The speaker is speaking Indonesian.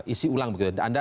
isi ulang begitu